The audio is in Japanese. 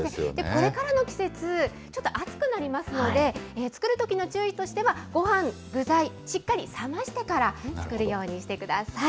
これからの季節、ちょっと暑くなりますので、作るときの注意としては、ごはん、具材、しっかり冷ましてから作るようにしてください。